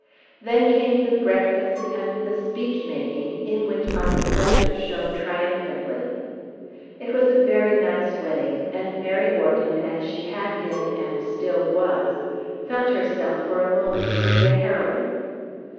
Then came the breakfast, and the speech making, in which Arthur Fletcher shone triumphantly. It was a very nice wedding, and Mary Wharton, as she had been and still was, felt herself for a moment to be a heroine.